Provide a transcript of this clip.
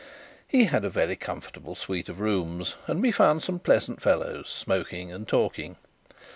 He had a very comfortable suite of rooms, and we found some pleasant fellows smoking and talking.